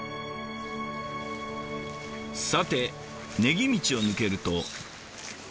さて宜道を抜けると。